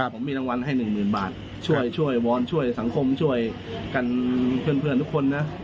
ครับผมมีรางวัลให้หนึ่งหมื่นบาทช่วยช่วยช่วยสังคมช่วยกันเพื่อนเพื่อนทุกคนนะ